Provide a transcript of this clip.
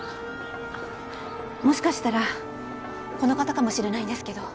あっもしかしたらこの方かもしれないんですけど。